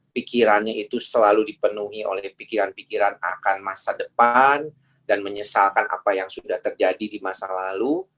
pikirannya itu selalu dipenuhi oleh pikiran pikiran akan masa depan dan menyesalkan apa yang sudah terjadi di masa lalu